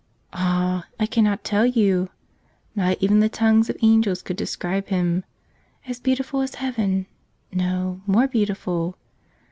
Ah, I cannot tell you! Not even the tongues of angels could describe Him. As beautiful as heaven — no, more beautiful.